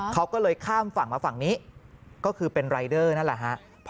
เขาก็เลยข้ามฝั่งมาฝั่งนี้ก็คือเป็นรายเดอร์นั่นแหละฮะ